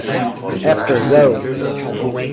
After Go!